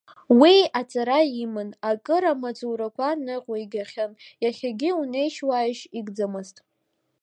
Уи аҵара иман, акыр амаҵурақәа ныҟәигахьан, иахьагьы унеишь-уааишь игӡамызт.